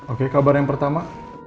oke kabar yang pertama